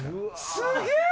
すげえ！